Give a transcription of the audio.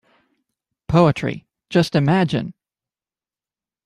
Poetry, just imagine!